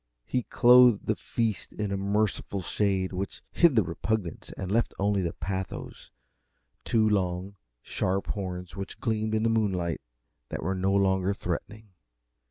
He clothed the feast in a merciful shade which hid the repugnance and left only the pathos two long, sharp horns which gleamed in the moonlight but were no longer threatening.